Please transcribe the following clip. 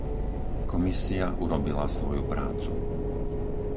Komisia urobila svoju prácu.